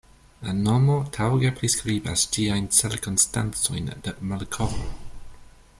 La nomo taŭge priskribas ĝiajn cirkonstancojn de malkovro.